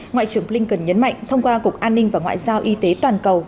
ngoại trưởng blinken nhấn mạnh thông qua cục an ninh và ngoại giao y tế toàn cầu